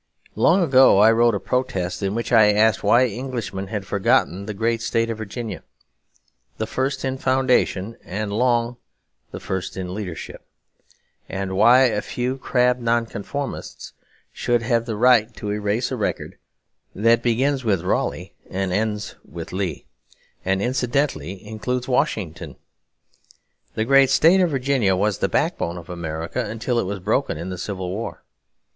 Long ago I wrote a protest in which I asked why Englishmen had forgotten the great state of Virginia, the first in foundation and long the first in leadership; and why a few crabbed Nonconformists should have the right to erase a record that begins with Raleigh and ends with Lee, and incidentally includes Washington. The great state of Virginia was the backbone of America until it was broken in the Civil War.